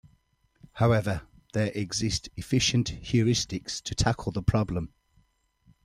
However, there exist efficient heuristics to tackle the problem.